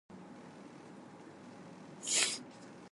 Schumacher then overtook Prost to claim second.